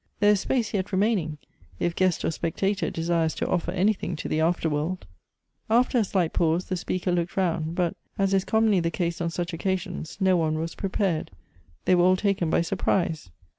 There is space yet remaining, if guest or specta tor desires to offer anything to the after world !" After a slight pause the speaker looked round ; but, as is commonly the case on such occasions, no one was pre pared ; they were all taken by surprise.